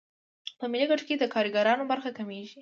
په ملي ګټو کې د کارګرانو برخه کمېږي